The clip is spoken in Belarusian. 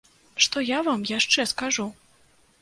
Што я вам яшчэ скажу?